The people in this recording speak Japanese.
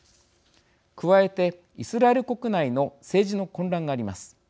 加えて、イスラエル国内の政治の混乱があります。